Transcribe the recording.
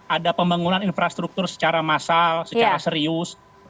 ada pembangunan infrastruktur secara massal secara serius